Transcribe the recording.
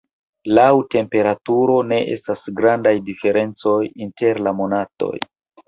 Laŭ temperaturo ne estas grandaj diferencoj inter la monatoj.